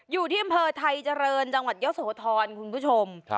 อยู่ที่อำเภอไทยเจริญจังหวัดเยอะโสธรคุณผู้ชม